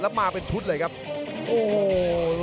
แล้วมาเป็นชุดเลยครับโอ้โห